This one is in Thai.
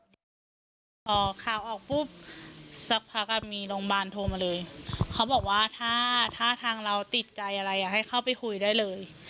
พอข่าวออกปุ๊บสักพักอ่ะมีโรงพยาบาลโทรมาเลยเขาบอกว่าถ้าถ้าทางเราติดใจอะไรอ่ะให้เข้าไปคุยได้เลย